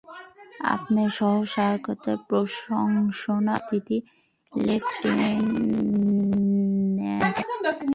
আপনার সাহসিকতার প্রশংসা করছি, লেফটেন্যান্ট।